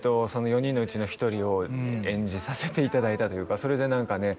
４人のうちの１人を演じさせていただいたというかそれで何かね